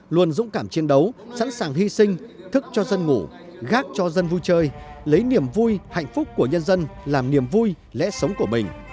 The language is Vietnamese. luôn dũng cảm chiến đấu sẵn sàng hy sinh thức cho dân ngủ gác cho dân vui chơi lấy niềm vui hạnh phúc của nhân dân làm niềm vui lẽ sống của mình